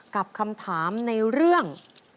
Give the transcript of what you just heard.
กับคำถามในเรื่อง